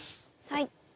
はい。